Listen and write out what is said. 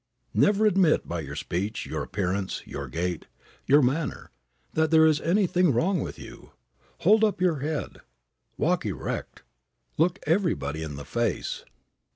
Never admit by your speech, your appearance, your gait, your manner, that there is anything wrong with you. Hold up your head. Walk erect. Look everybody in the face.